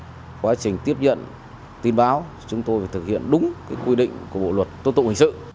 và quá trình tiếp nhận tin báo chúng tôi phải thực hiện đúng cái quy định của bộ luật tốt tụ hành sự